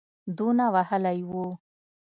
دونه وهلی وو.